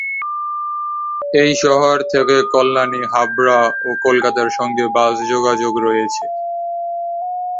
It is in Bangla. এই শহর থেকে কল্যাণী, হাবড়া ও কলকাতার সঙ্গে বাস যোগাযোগ রয়েছে।